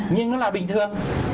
nhưng nó là bình thường